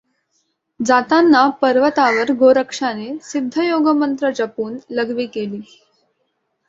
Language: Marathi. जातांना पर्वतावर गोरक्षाने सिद्धयोगमंत्र जपून लघवी केली.